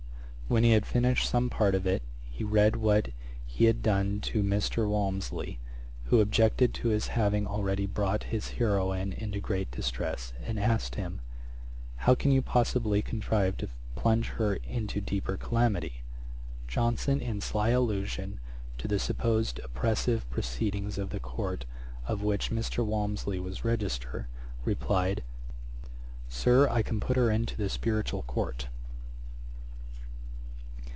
When he had finished some part of it, he read what he had done to Mr. Walmsley, who objected to his having already brought his heroine into great distress, and asked him, 'how can you possibly contrive to plunge her into deeper calamity?' Johnson, in sly allusion to the supposed oppressive proceedings of the court of which Mr. Walmsley was register, replied, 'Sir, I can put her into the Spiritual Court!'